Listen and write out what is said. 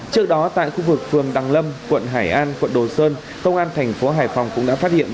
trước đó tại khu vực phường đăng lâm quận hải an quận đồ sơn công an thành phố hải phòng cũng đã phát hiện